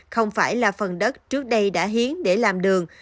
không phải là phần đất trước đây đã hiến để làm đường